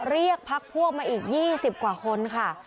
เรียกพักพวกมาอีก๒๐กว่าคนค่ะ